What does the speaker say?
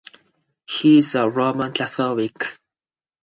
He is a Roman Catholic.